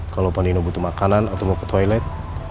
kalau pani ndo butuh makanan atau mau ke toilet